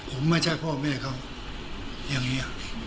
ผมไม่ใช่พ่อแม่เขาอย่างนี้